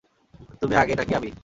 তুমি আগে নাকি আমি?